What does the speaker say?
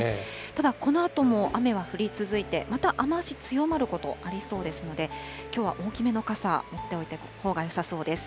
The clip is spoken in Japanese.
ただ、このあとも雨は降り続いて、また雨足、強まることありそうですので、きょうは大きめの傘、持っておいたほうがよさそうです。